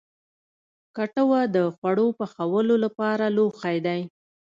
کټوه د خواړو پخولو لپاره لوښی دی